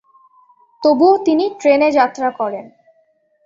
তবুও তিনি ট্রেনে যাত্রা করেন।